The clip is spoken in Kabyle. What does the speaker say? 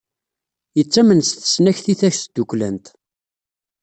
Yettamen s tesnakti tasduklant.